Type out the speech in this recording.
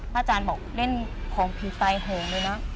อาจารย์บอกเล่นของผีไฟโหงเลยนะ